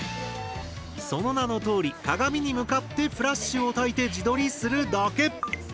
その名のとおり鏡に向かってフラッシュをたいて自撮りするだけ！